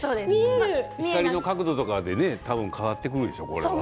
光の角度とかで変わってくるでしょうね。